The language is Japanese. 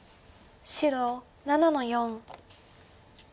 白７の四。